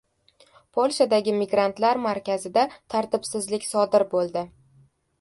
Polshadagi migrantlar markazida tartibsizlik sodir bo‘ldi